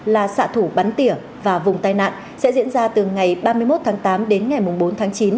là xạ thủ bắn tỉa và vùng tai nạn sẽ diễn ra từ ngày ba mươi một tháng tám đến ngày bốn tháng chín